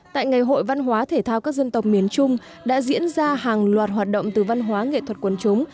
tại ngày hội văn hóa thể thao các dân tộc miền trung đã diễn ra hàng loạt hoạt động từ văn hóa nghệ thuật quần chúng